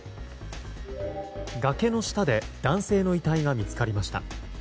崖の下で男性の遺体が見つかりました。